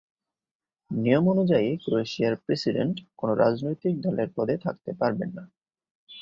নিয়ম অনুযায়ী ক্রোয়েশিয়ার প্রেসিডেন্ট কোন রাজনৈতিক দলের পদে থাকতে পারবেন না।